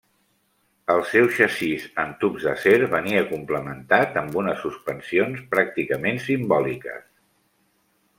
El seu xassís en tubs d'acer venia complementat amb unes suspensions pràcticament simbòliques.